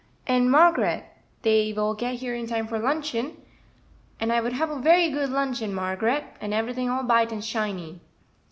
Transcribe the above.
"And, Margaret, dey will get here in time for luncheon, and I would have a very good luncheon, Margaret, and everything all b'ight and shiny."